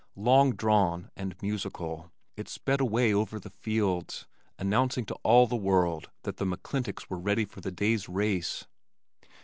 Long drawn and musical, it sped away over the fields, announcing to all the world that the McClintocks were ready for the day's race.